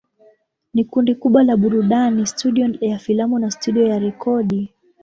Ni kundi kubwa la burudani, studio ya filamu na studio ya rekodi.